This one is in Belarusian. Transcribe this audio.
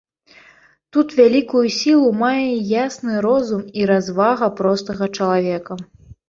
Тут вялікую сілу мае ясны розум і развага простага чалавека.